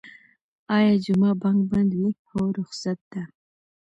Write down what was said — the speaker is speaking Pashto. ایا جمعه بانک بند وی؟ هو، رخصت ده